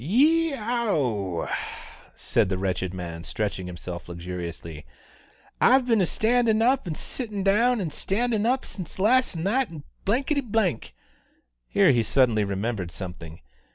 "Yee owe," said the wretched man, stretching himself luxuriously. "I've been a standin' up and a sittin' down and a standin' up since last night, an' " Here he suddenly remembered something.